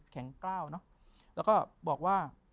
กล้าวเนอะแล้วก็บอกว่า